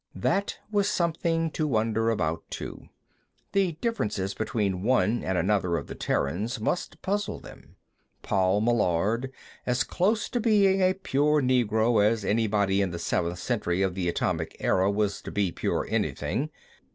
That was something to wonder about, too. The differences between one and another of the Terrans must puzzle them. Paul Meillard, as close to being a pure Negro as anybody in the Seventh Century of the Atomic Era was to being pure anything.